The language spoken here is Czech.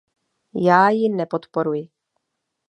Já ji nepodporuji.